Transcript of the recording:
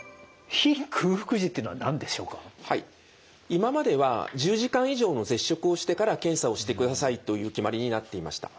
今までは１０時間以上の絶食をしてから検査をしてくださいという決まりになっていました。